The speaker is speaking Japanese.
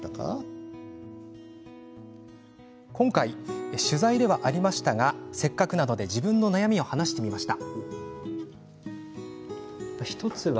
今回、取材ではありましたがせっかくなので自分の悩みを話してみました。